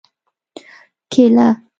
🍌کېله